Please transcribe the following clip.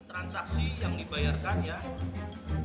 transaksi yang dibayarkan ya